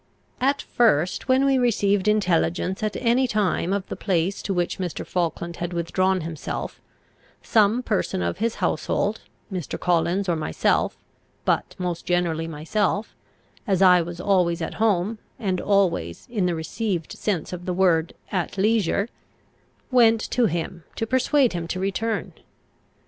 At first, when we received intelligence at any time of the place to which Mr. Falkland had withdrawn himself, some person of his household, Mr. Collins or myself, but most generally myself, as I was always at home, and always, in the received sense of the word, at leisure, went to him to persuade him to return.